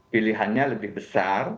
pilihannya lebih besar